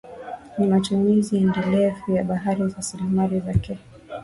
Ni matumizi endelevu ya bahari na rasilimali zake